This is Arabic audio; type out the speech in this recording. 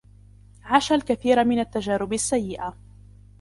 عاش الكثير من التجارب السيئة.